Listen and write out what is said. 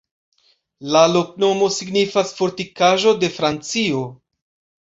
La loknomo signifas: Fortikaĵo de Francio.